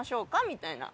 みたいな。